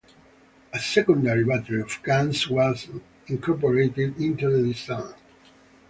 A secondary battery of guns was incorporated into the design.